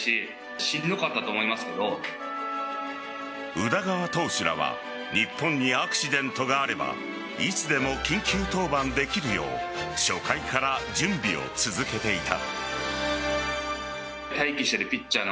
宇田川投手らは日本にアクシデントがあればいつでも緊急登板できるよう初回から準備を続けていた。